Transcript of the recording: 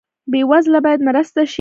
بې وزله باید مرسته شي